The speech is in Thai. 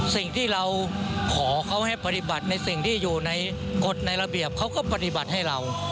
สิ่งที่เราขอเขาให้ปฏิบัติในสิ่งที่อยู่ในกฎในระเบียบเขาก็ปฏิบัติให้เรา